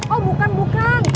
oh bukan bukan